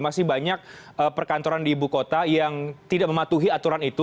masih banyak perkantoran di ibu kota yang tidak mematuhi aturan itu